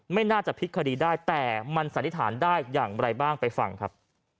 ไม่น่าจะพลิกคดีได้แต่มันสันนิษฐานได้อย่างไรบ้างไปฟังครับ